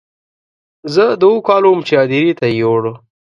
زه د اوو کالو وم چې هدیرې ته یې یووړ.